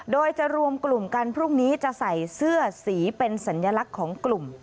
โดยจะรวมกลุ่มกันพรุ่งนี้จะใส่เสื้อสีเป็นสัญลักษณ์ของกลุ่ม